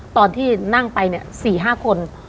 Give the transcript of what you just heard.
ตอนที่นั่งไปเนี่ย๔๕คน